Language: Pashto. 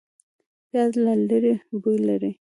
پیاز له لرې بوی لري